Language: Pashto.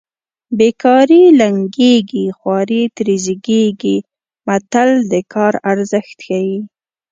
بې کاري لنګېږي خواري ترې زېږېږي متل د کار ارزښت ښيي